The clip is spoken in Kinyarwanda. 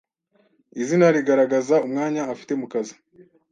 izina rigaragaza umwanya afite mu kazi.